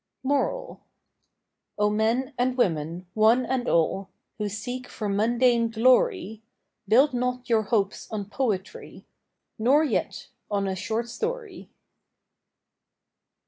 MORAL. O Men and Women, one and all, Who seek for mundane glory, Build not your hopes on poetry, Nor yet on a short story.